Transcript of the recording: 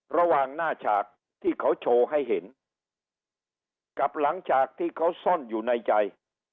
ระหว่างหน้าฉากที่เขาโชว์ให้เห็นกับหลังจากที่เขาซ่อนอยู่ในใจ